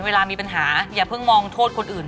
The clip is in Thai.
เวลามีปัญหาอย่าเพิ่งมองโทษคนอื่น